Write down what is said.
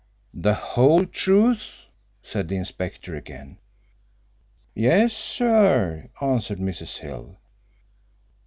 "The whole truth?" said the inspector, again. "Yes, sir," answered Mrs. Hill.